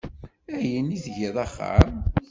Ayen i tgiḍ axxam?